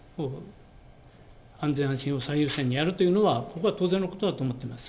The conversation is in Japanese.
安全安心を最優先にやるというのは、ここは当然のことだと思ってます。